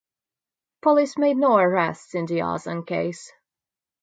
Police made no arrests in the arson case.